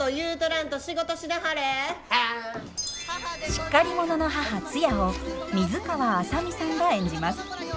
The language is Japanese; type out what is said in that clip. しっかり者の母ツヤを水川あさみさんが演じます。